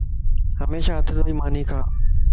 ھميشا ھٿ ڌوئي ماني کا